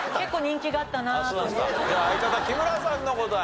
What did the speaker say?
では相方木村さんの答え。